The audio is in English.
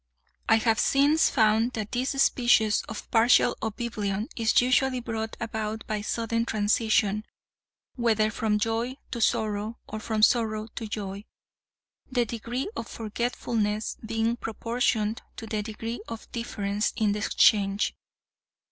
I have since found that this species of partial oblivion is usually brought about by sudden transition, whether from joy to sorrow or from sorrow to joy—the degree of forgetfulness being proportioned to the degree of difference in the exchange.